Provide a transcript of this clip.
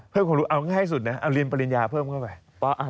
ความรู้เอาง่ายสุดนะเอาเรียนปริญญาเพิ่มเข้าไป